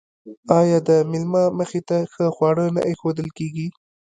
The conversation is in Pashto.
آیا د میلمه مخې ته ښه خواړه نه ایښودل کیږي؟